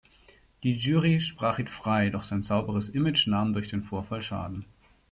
Die Jury sprach ihn frei, doch sein sauberes Image nahm durch den Vorfall Schaden.